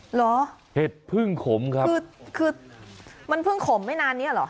เหรอเห็ดพึ่งขมครับคือคือมันเพิ่งขมไม่นานเนี้ยเหรอ